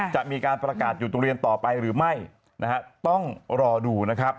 จะมีการประกาศอยู่โรงเรียนต่อไปหรือไม่นะฮะต้องรอดูนะครับ